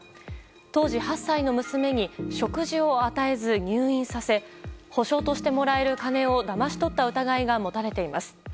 当時、８歳の娘に食事を与えず入院させ保障としてもらえる金をだまし取った疑いが持たれています。